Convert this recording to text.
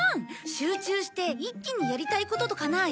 集中して一気にやりたいこととかない？